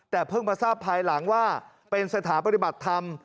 แต่เพิ่งมาทราบภายหลังว่าเป็นสถาปฏิบัติธรรม